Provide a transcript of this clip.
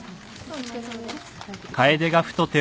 お疲れさまです。